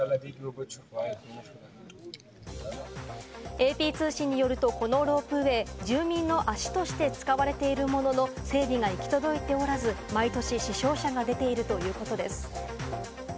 ＡＰ通信によると、このロープウエー、住民の足として使われているものの、整備が行き届いておらず、毎年死傷者が出ているということです。